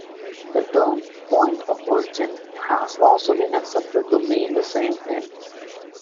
The term "point of origin" has also been accepted to mean the same thing.